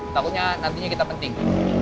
takutnya nantinya kita penting